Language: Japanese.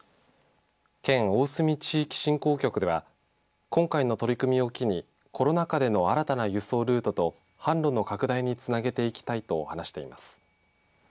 県大隅地域振興局では今回の取り組みを機にコロナ禍での新たな輸送ルートと販路の拡大につなげていきたいと話しています。